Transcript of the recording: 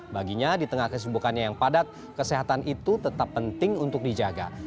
baginya di tengah kesibukannya yang padat kesehatan itu tetap penting untuk dijaga